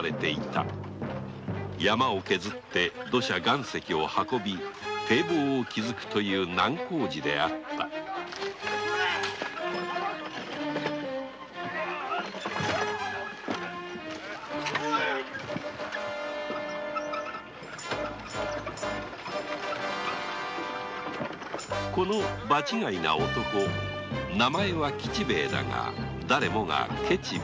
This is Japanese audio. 山を削って土砂岩石を運び堤防を築くという難工事であったこの男名前は吉兵ヱだがだれもがケチ兵ヱと呼ぶ。